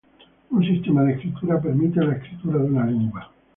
Un sistema de escritura permite la escritura de una lengua.